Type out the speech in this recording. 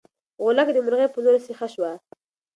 غولکه د مرغۍ په لور سیخه شوه.